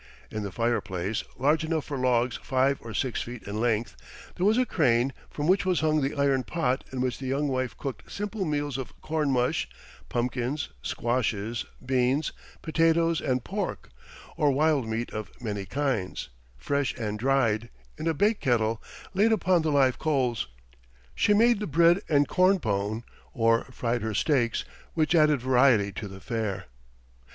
In the fireplace, large enough for logs five or six feet in length, there was a crane from which was hung the iron pot in which the young wife cooked simple meals of corn mush, pumpkins, squashes, beans, potatoes, and pork, or wild meat of many kinds, fresh and dried; in a bake kettle, laid upon the live coals, she made the bread and corn pone, or fried her steaks, which added variety to the fare.